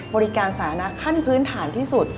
บริการสาธารณะขั้นพื้นฐานที่สุด